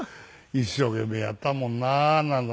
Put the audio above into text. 一生懸命やったもんななんだか。